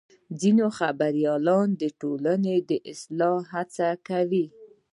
ځینې خبریالان د ټولنې د اصلاح هڅه کوي.